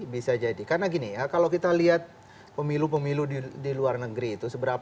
bisa jadi karena gini ya kalau kita lihat pemilu pemilu di luar negeri itu